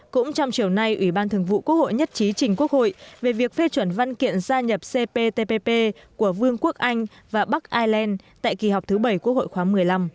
cũng trong chiều nay ủy ban thường vụ quốc hội nhất trí trình quốc hội về việc phê chuẩn văn kiện gia nhập cptpp của vương quốc anh và bắc ireland tại kỳ họp thứ bảy quốc hội khoáng một mươi năm